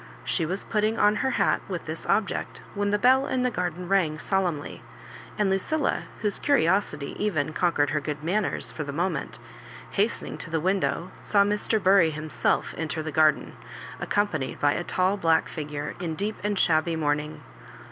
She was putting on her hat with this object when the bell in the garden rang solemn ly, and Lucilla, whose curiosity even conquered her good manners for the moment, hastening to the window, saw Mr. Bury himself enter the Digitized by VjOOQIC MISS MABJOBIBANKS. 25 garden, accompanied by a tall black figure in deep and shabby mourning.